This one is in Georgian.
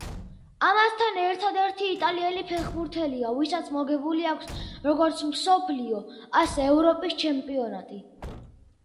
ამასთან, ერთადერთი იტალიელი ფეხბურთელია, ვისაც მოგებული აქვს როგორც მსოფლიო, ასევე, ევროპის ჩემპიონატი.